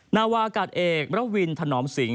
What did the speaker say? นาวากาศเอกมรวินถนอมสิง